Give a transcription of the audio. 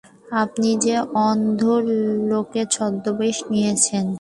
আপনি কি অন্ধ লোকের ছদ্মবেশ নিয়েছেন?